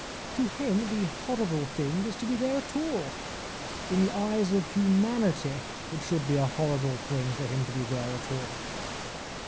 To him the horrible thing is to be there at all. In the eyes of humanity it should be a horrible thing for him to be there at all.